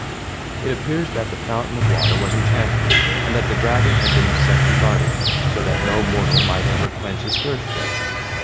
It appears that the fountain of water was enchanted, and that the dragon had been set to guard it, so that no mortal might ever quench his thirst there.